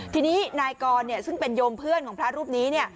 ทีนี้นายกรซึ่งเป็นโยมเพื่อนของพระรูปนี้